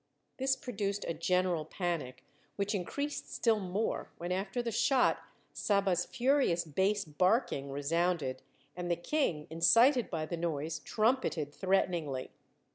This produced a general panic, which increased still more when after the shot Saba's furious bass barking resounded, and the King, incited by the noise, trumpeted threateningly.